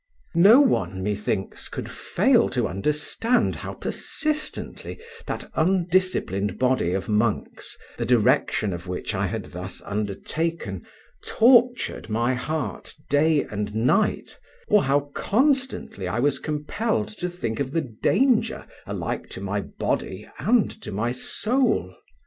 No one, methinks, could fail to understand how persistently that undisciplined body of monks, the direction of which I had thus undertaken, tortured my heart day and night, or how constantly I was compelled to think of the danger alike to my body and to my soul.